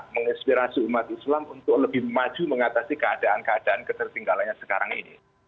menginspirasi umat islam untuk lebih maju mengatasi keadaan keadaan ketertinggalannya sekarang ini